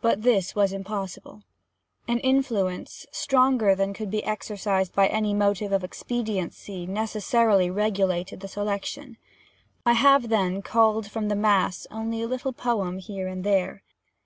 But this was impossible: an influence, stronger than could be exercised by any motive of expediency, necessarily regulated the selection. I have, then, culled from the mass only a little poem here and there.